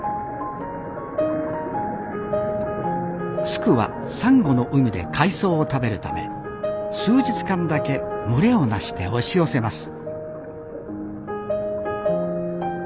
スクはサンゴの海で海藻を食べるため数日間だけ群れをなして押し寄せます